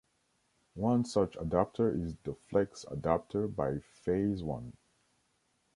One such adapter is the Flex Adapter by Phase One.